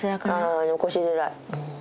あ残しづらい。